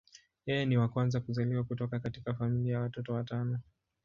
Yeye ni wa kwanza kuzaliwa kutoka katika familia ya watoto watano.